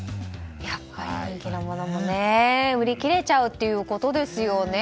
やっぱり人気のものも売り切れちゃうということですよね。